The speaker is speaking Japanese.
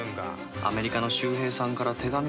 アメリカの秀平さんから手紙も来んし。